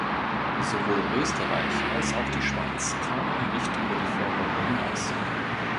Sowohl Österreich als auch die Schweiz kamen nicht über die Vorrunde hinaus.